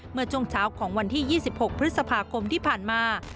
เมื่อช่วงเช้าของวันที่๒๖พฤษภาคมที่ผ่านมา